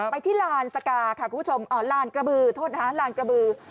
ที่ลานสกาค่ะคุณผู้ชมลานกระบือโทษนะคะลานกระบือ